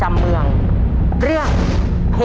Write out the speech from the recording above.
ขอบคุณครับ